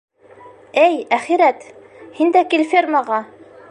Эй әхирәт! һин дә кил фермаға!